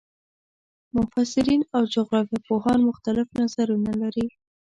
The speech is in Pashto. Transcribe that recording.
مفسرین او جغرافیه پوهان مختلف نظرونه لري.